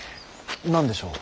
何でしょう。